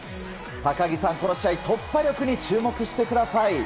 高木さん、この試合突破力に注目してください。